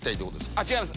違います。